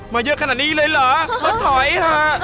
เยอะขนาดนี้เลยเหรอมาถอยค่ะ